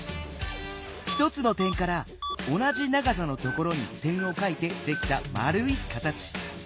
１つの点から同じ長さのところに点をかいてできたまるい形。